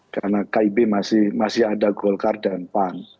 karena kib masih ada golkar dan pan